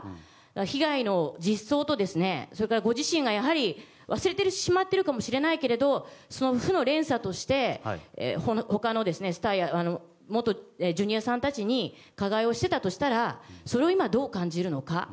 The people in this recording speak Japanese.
被害の実相とやはりご自身が忘れてしまっているかもしれないけど負の連鎖として他のスターや元Ｊｒ．さんたちに加害をしていたとしたらそれを今、どう感じるのか。